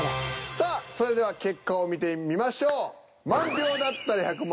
さあそれでは結果を見てみましょう。